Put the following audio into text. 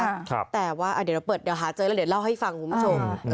เหมือนกันนะคะแต่ว่าเดี๋ยวเราเปิดเดี๋ยวหาเจอแล้วเดี๋ยวเล่าให้ฟังคุณผู้ชม